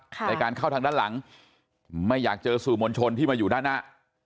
ในการเข้าทางด้านหลังไม่อยากเจอสื่อมวลชนที่มาอยู่ด้านหน้า